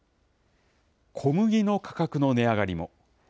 小麦の価格の値上がりも。